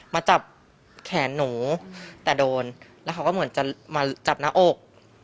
มาจับแขนหนูแต่โดนแล้วเขาก็เหมือนจะมาจับหน้าอก